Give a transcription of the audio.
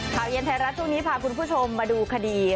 ข่าวเย็นไทยรัฐช่วงนี้พาคุณผู้ชมมาดูคดี